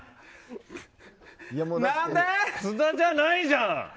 津田じゃないじゃん！